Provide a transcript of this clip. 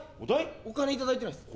お金いただいてるんです。